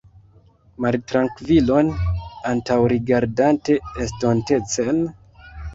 Maltrankvilon, antaŭrigardante estontecen?